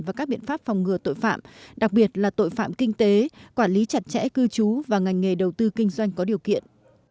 và các biện pháp phòng ngừa tội phạm đặc biệt là tội phạm kinh tế quản lý chặt chẽ cư trú và ngành nghề đầu tư kinh doanh có điều kiện